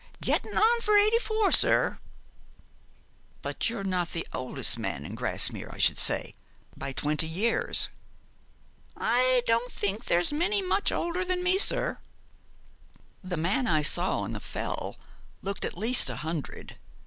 'Getting on for eighty four, sir.' 'But you are not the oldest man in Grasmere, I should say, by twenty years?' 'I don't think there's many much older than me, sir.' 'The man I saw on the Fell looked at least a hundred.